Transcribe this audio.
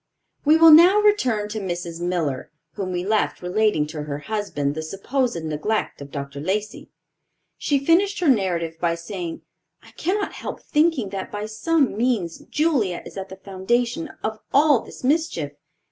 We will now return to Mrs. Miller, whom we left relating to her husband the supposed neglect of Dr. Lacey. She finished her narrative by saying, "I cannot help thinking that by some means, Julia is at the foundation of all this mischief.